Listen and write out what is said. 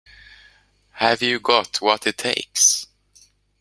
Have you got what it takes?